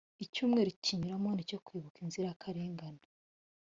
icyumweru cy ‘icyunamo nicyokwibuka inzirikarengane.